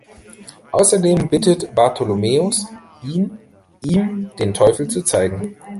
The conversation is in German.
Außerdem bittet Bartholomäus ihn, ihm den Teufel zu zeigen.